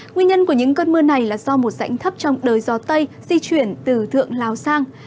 nguyên nhân của những cơn mưa này là do một dãnh thấp trong đời gió tây di chuyển từ thượng lào sang